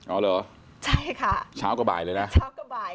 อ๋อเหรอใช่ค่ะเช้ากว่าบ่ายเลยนะ